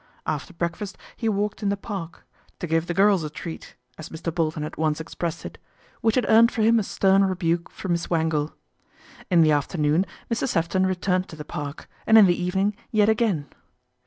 After breakfast he walked in the Park, " to give the girls a treat," as Mr. Bolton INTERVENTION OF AUNT ADELAIDE 75 had once expressed it, which had earned for him a stern rebuke from Miss Wangle. In the after noon Mr. 3efton returned to the Park, and in the evening yet again.